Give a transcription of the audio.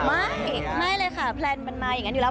ไม่ไม่เลยค่ะแพลนมันมาอย่างนั้นอยู่แล้ว